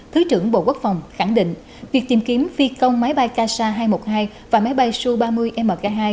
thứ trưởng bộ quốc phòng khẳng định việc tìm kiếm phi công máy bay kasa hai trăm một mươi hai và máy bay su ba mươi mk hai